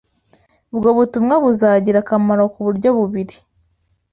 Ubwo butumwa buzagira akamaro k’uburyo bubiri: